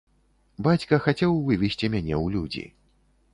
Бацька хацеў вывесці мяне ў людзі.